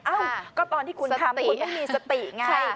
เอ้าก็ตอนที่คุณทำคุณต้องมีสติไง